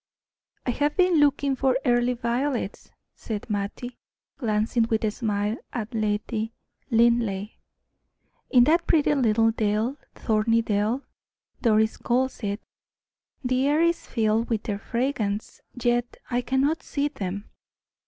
"I have been looking for early violets," said Mattie, glancing with a smile at Lady Linleigh, "in that pretty little dell Thorny Dell, Doris calls it. The air is filled with their fragrance, yet I cannot see them.